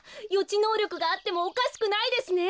ちのうりょくがあってもおかしくないですね！